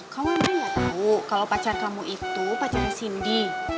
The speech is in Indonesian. kamu emang enggak tahu kalau pacar kamu itu pacarnya cindy